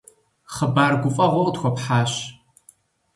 Хъыбар гуфӀэгъуэ къытхуэпхьащ.